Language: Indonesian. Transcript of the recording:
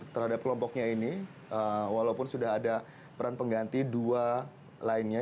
terhadap kelompoknya ini walaupun sudah ada peran pengganti dua lainnya